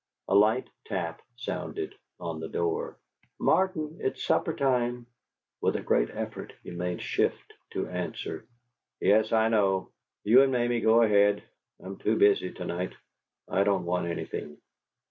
A light tap sounded on the door. "Martin, it's supper time." With a great effort he made shift to answer: "Yes, I know. You and Mamie go ahead. I'm too busy to night. I don't want anything."